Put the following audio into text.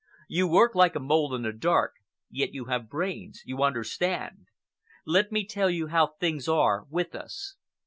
You work like a mole in the dark, yet you have brains,—you understand. Let me tell you how things are with us.